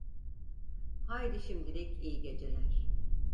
Haydi şimdilik iyi geceler…